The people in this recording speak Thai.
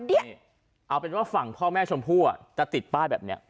เอาเป็นว่าฝั่งพ่อแม่ชมพู่จะติดป้ายแบบนี้